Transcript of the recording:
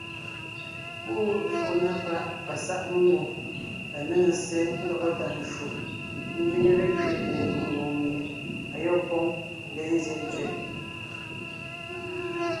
Púʼu éfóo na páʼ pasáʼ mengwòŋ la néŋe ssé ńdɔgɔ tàʼ ncwò ńzẅíŋe lékẅéte mengwòŋ mie ayɔ́b póŋ léen ńzyɛ́ʼ ntsẅɛ́.